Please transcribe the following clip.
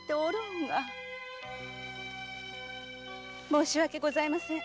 申し訳ございません。